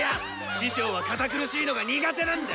師匠は堅苦しいのが苦手なんだ！